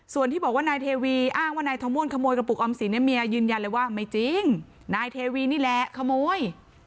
ส่วนที่บอกว่านายเทวีอ้างว่านายทะม่วนขโมยกระปุกออมสินเนี่ยเมียยืนยันเลยว่าไม่จริงนายเทวีนี่แหละขโมย